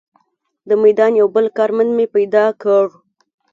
د میدان یو بل کارمند مې پیدا کړ.